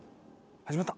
「始まった」